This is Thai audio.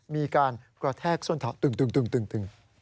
มีการกระแทกส้นเถาะตึง